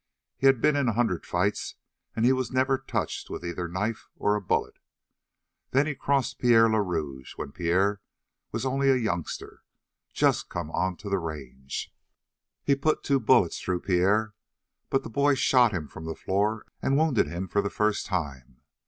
He had been in a hundred fights and he was never touched with either a knife or a bullet. Then he crossed Pierre le Rouge when Pierre was only a youngster just come onto the range. He put two bullets through Pierre, but the boy shot him from the floor and wounded him for the first time.